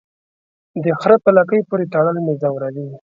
د خره په لکۍ پوري تړل مې زوروي.